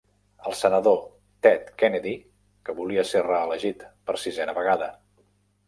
El senador Ted Kennedy, que volia ser reelegit per sisena vegada.